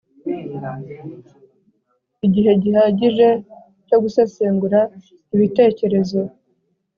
igihe gihagije cyo gusesengura ibitekerezo